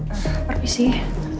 apa kabar sih